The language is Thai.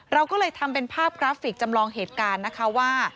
เราก็เลยทำเป็นภาพกราฟิกจำลองเหตุการณ์นะคะว่า